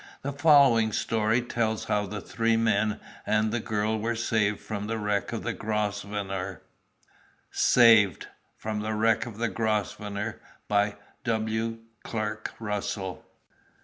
The following story tells how the three men and the girl were saved from the wreck of the Grosvenor. SAVED (From The Wreck of the Grosvenor.) By W. CLARK RUSSELL.